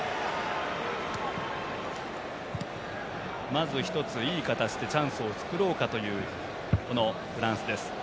まず１つ、いい形でチャンスを作ろうかというフランスです。